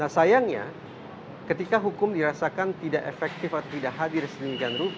nah sayangnya ketika hukum dirasakan tidak efektif dan seterusnya nah sayangnya ketika hukum dirasakan tidak efektif